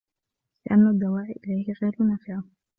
لِأَنَّ الدَّوَاعِيَ إلَيْهِ غَيْرُ نَافِعَةٍ